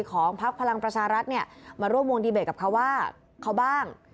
พักพลังประชารัฐเนี่ยมาร่วมวงดีเบตกับเขาว่าเขาบ้าง